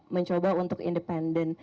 mencoba untuk independen